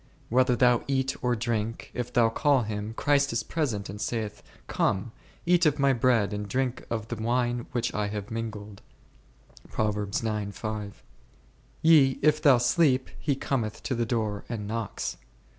Whether thou eat or drink, if thou call Him, Christ is present and saith, Come, eat of My bread and drink of the wine which I have mingled ; yea, if thou sleep, He cometh to the door and knocks.